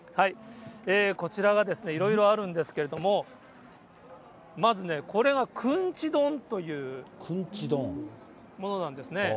こちらがいろいろあるんですけれども、まずね、くんち丼？というものなんですね。